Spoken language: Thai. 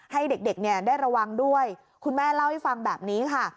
ให้เด็กเนี่ยได้ระวังด้วยคุณแม่เล่าให้ฟังแบบนี้ค่ะ